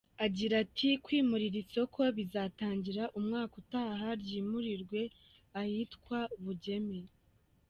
Agira ati “Kwimura iri soko bizatangira umwaka utaha ryimurirwe ahitwa Bugeme.